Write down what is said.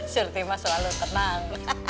surti mas selalu tenang